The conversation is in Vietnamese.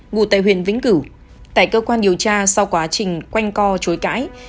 ngủ tại huyện vĩnh cửu tại cơ quan điều tra sau quá trình quanh co chối cãi